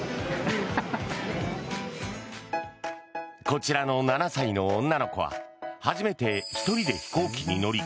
こちらの７歳の女の子は初めて飛行機に乗り